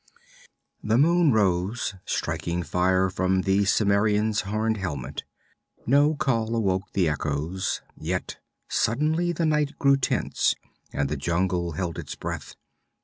The moon rose, striking fire from the Cimmerian's horned helmet. No call awoke the echoes; yet suddenly the night grew tense and the jungle held its breath.